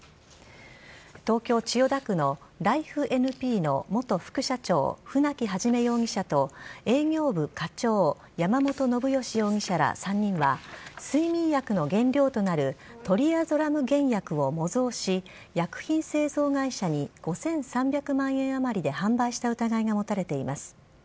東京・千代田区のライフ・エヌ・ピーの元副社長船木肇容疑者と営業部課長山本将義容疑者ら３人は睡眠薬の原料となるトリアゾラム原薬を模造し薬品製造会社に５３００万円あまりで販売した疑いが持たれています。